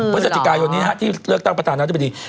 พฤศจิกายนนี้ที่เลือกตั้งประธานาธิบดี